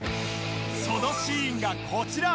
そのシーンがこちら！